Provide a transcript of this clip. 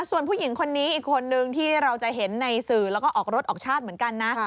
ส่วนผู้หญิงคนนี้อีกคนนึงที่เราจะเห็นในสื่อแล้วก็ออกรถออกชาติเหมือนกันนะ